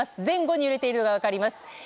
前後に揺れているのが分かります。